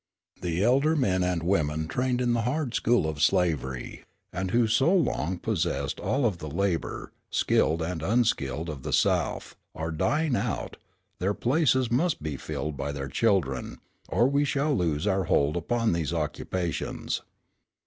The elder men and women trained in the hard school of slavery, and who so long possessed all of the labour, skilled and unskilled, of the South, are dying out; their places must be filled by their children, or we shall lose our hold upon these occupations.